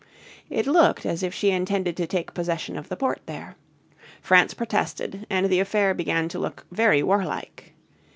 It looked as if she intended to take possession of the port there. France protested and the affair began to look very warlike.